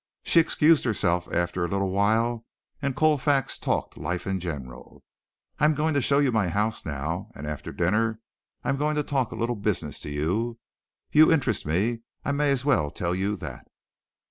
She excused herself after a little while and Colfax talked life in general. "I'm going to show you my house now, and after dinner I'm going to talk a little business to you. You interest me. I may as well tell you that."